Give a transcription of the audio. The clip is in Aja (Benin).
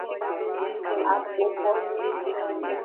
Akpoxonu.